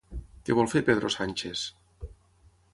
Què vol fer Pedro Sánchez?